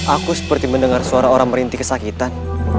aku seperti mendengar suara orang merintih kesakitan